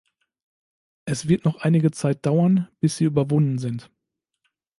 Es wird noch einige Zeit dauern, bis sie überwunden sind.